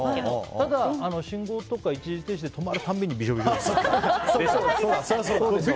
ただ、信号とか一時停止で止まるたびにびしょびしょ。